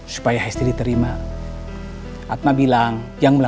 saya pengen tunjuk ke preacher